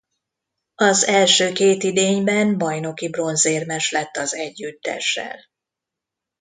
Az első két idényben bajnoki bronzérmes lett az együttessel.